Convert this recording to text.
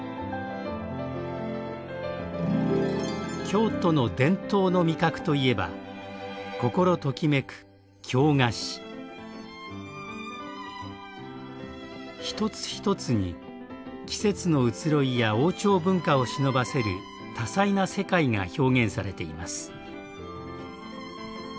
京都の伝統の味覚といえば一つ一つに季節の移ろいや王朝文化をしのばせる多彩な世界が表現されています。